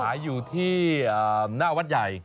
ขายอยู่ที่หน้าวัดใหญ่